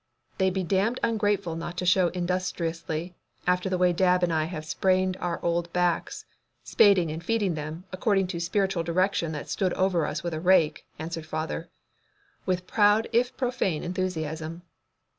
"They'd be damned ungrateful not to grow industriously, after the way Dab and I have sprained our old backs spading and feeding them according to spiritual direction that stood over us with a rake," answered father, with proud if profane enthusiasm.